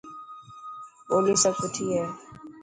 ٻولي سڀ سٺي هي.